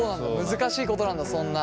難しいことなんだそんな。